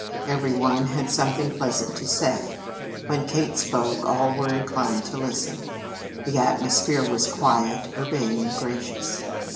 Everyone had something pleasant to say; when Kate spoke, all were inclined to listen. The atmosphere was quiet, urbane, gracious.